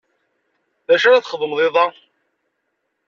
D acu ara txedmeḍ iḍ-a?